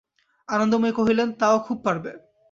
আনন্দময়ী কহিলেন, তা ও খুব পারবে।